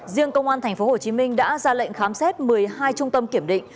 riêng công an tp hcm đã ra lệnh khám xét một mươi hai trung tâm kiểm định